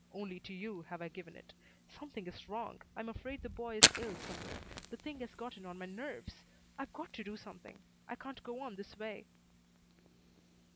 Only to you have I given it. Something is wrong. I'm afraid the boy is ill somewhere. The thing has gotten on my nerves. I've got to do something. I can't go on this way."